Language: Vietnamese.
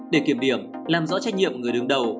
để kiểm điểm làm rõ trách nhiệm của người đứng đầu